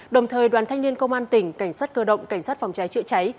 đồng thời đoàn thanh niên công an tỉnh cảnh sát cơ động cảnh sát phòng cháy chữa cháy